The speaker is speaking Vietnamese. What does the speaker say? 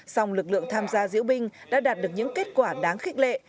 song lực lượng tham gia diễu binh đã đạt được những kết quả đáng khích lệ